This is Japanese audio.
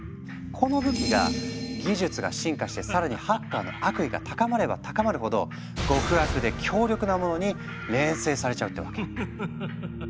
この武器が技術が進化して更にハッカーの悪意が高まれば高まるほど極悪で強力なモノに錬成されちゃうってわけ。